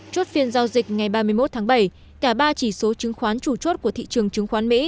chốt phiên giao dịch ngày ba mươi một tháng bảy cả ba chỉ số chứng khoán chủ chốt của thị trường chứng khoán mỹ